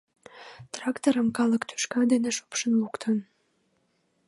Тракторым калык тӱшка дене шупшын луктын.